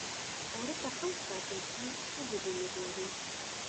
اوړه که ښه وساتل شي، اوږد عمر لري